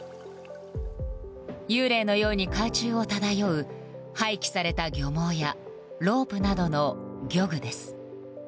幽霊のように海中を漂う廃棄された漁網やロープなどの漁具です。